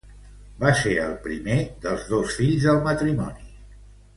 Va ser el primer dels dos fills del matrimoni.